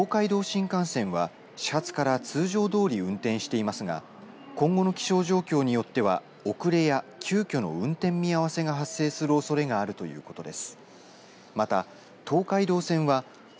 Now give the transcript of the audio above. ＪＲ東海によりますと東海道新幹線は始発から通常どおり運転してますが今後の気象状況によっては遅れや急きょの運転見合わせが発生するおそれがあるということです。